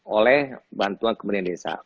oleh bantuan kementerian desa